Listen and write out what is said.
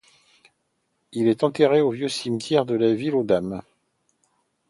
Il est enterré au vieux cimetière de La Ville-aux-Dames.